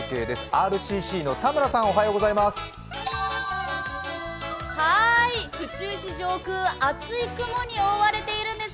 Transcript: ＲＣＣの田村さん、おはようございます。